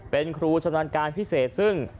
เป็นครูชำนาญการพิเศษซึ่ง